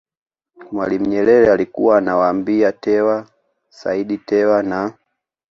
Mwalimu Nyerere alikuwa anawaambia Tewa Said Tewa na